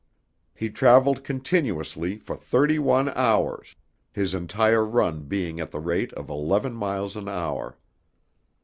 He traveled continuously for thirty one hours, his entire run being at the rate of eleven miles an hour.